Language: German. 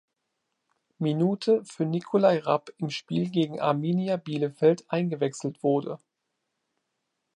Minute für Nicolai Rapp im Spiel gegen Arminia Bielefeld eingewechselt wurde.